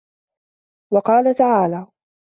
وَقَالَ تَعَالَى